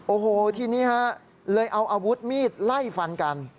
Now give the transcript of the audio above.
โอ้โหทีนี้ฮะเลยเอาอาวุธมีดไล่ฟันกัน